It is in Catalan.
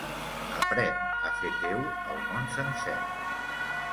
Aprèn a fer teu el món sencer.